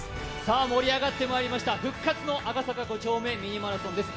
盛り上がってまいりました、復活の「赤坂５丁目ミニマラソン」です。